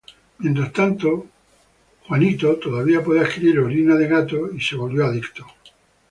Mientras tanto, Kenny todavía puede adquirir orina de gato y se volvió adicto.